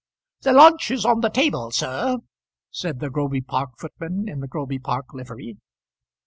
"The lunch is on the table, sir," said the Groby Park footman in the Groby Park livery.